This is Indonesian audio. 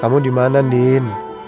kamu dimana din